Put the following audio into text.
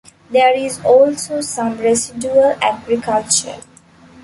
There is also some residual agriculture.